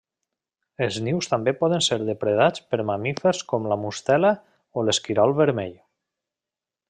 Els nius també poden ser depredats per mamífers com la mustela o l'esquirol vermell.